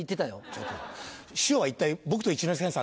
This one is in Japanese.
ちょっと師匠は一体僕と一之輔兄さん